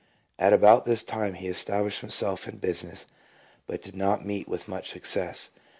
At about this time he established himself in business, but did not meet with much success.